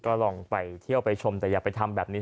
ก็ลองไปเที่ยวไปชมแต่อย่าไปทำแบบนี้